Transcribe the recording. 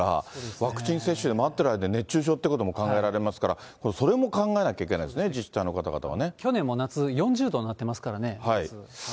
ワクチン接種で待ってる間、熱中症ということも考えられますから、それも考えなきゃいけないですね、自治体の方々はね。去年も夏、４０度になってますからね、夏。